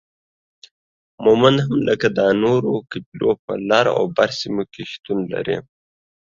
مومند هم لکه دا نورو قبيلو په لر او بر سیمو کې شتون لري